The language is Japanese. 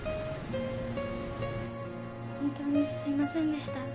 ホントにすいませんでした。